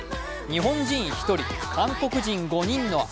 日本人１人、韓国人５人のＩＶＥ。